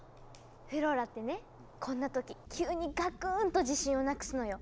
フローラってねこんな時急にガクーンと自信をなくすのよ。